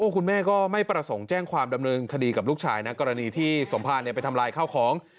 คุณแม่ก็ไม่ประสงค์แจ้งความดำเนินคดีกับลูกชายนะกรณีที่สมภารไปทำลายข้าวของ